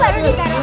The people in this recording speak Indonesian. habis itu baru kita